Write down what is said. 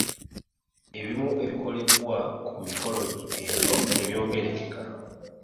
Ebimu ebikolebwa ku mikolo egyo tebyogerekeka.